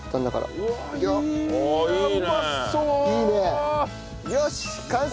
うまそう。